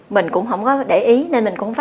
mình cũng không có để ý nên mình cũng phải